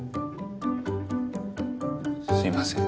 すいません。